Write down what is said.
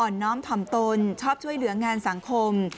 น้อมถ่อมตนชอบช่วยเหลืองานสังคม